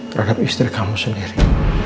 terhadap istri kamu sendiri